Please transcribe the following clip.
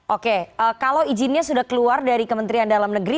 oke kalau izinnya sudah keluar dari kementerian dalam negeri